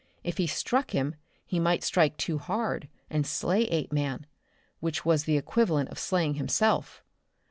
If he struck him he might strike too hard and slay Apeman which was the equivalent of slaying himself.